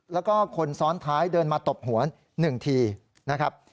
แล้วก็คนซ้อนท้ายเดินมาตบหัว๑ทีนะครับ